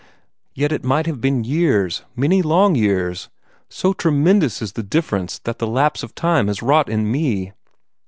"Yet it might have been years, many long years, so tremendous is the difference that the lapse of time has wrought in me."